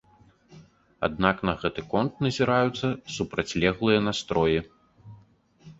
Аднак на гэты конт назіраюцца супрацьлеглыя настроі.